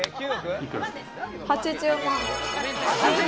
８０万。